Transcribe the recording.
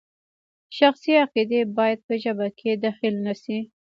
شخصي عقیدې باید په ژبه کې دخیل نشي.